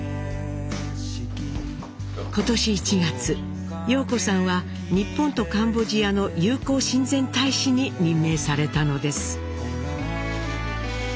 今年１月陽子さんは日本とカンボジアの友好親善大使に任命されたのです。